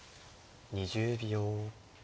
２０秒。